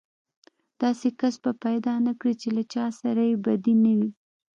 داسې کس به پيدا نه کړې چې له چا سره يې بدي نه وي.